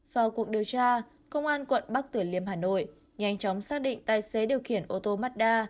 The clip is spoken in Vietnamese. vào cuộc điều tra công an quận bắc tử liêm hà nội nhanh chóng xác định tài xế điều khiển ô tô mazda